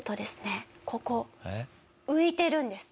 ここ浮いてるんです。